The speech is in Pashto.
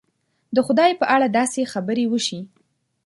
د خدای په اړه داسې خبرې وشي.